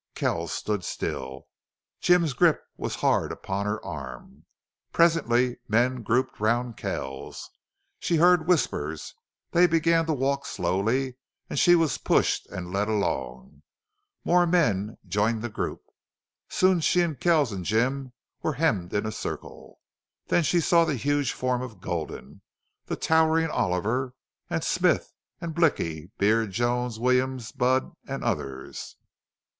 Kells stood still. Jim's grip was hard upon her arm. Presently men grouped round Kells. She heard whispers. They began to walk slowly, and she was pushed and led along. More men joined the group. Soon she and Kells and Jim were hemmed in a circle. Then she saw the huge form of Gulden, the towering Oliver, and Smith and Blicky, Beard, Jones, Williams, Budd, and others.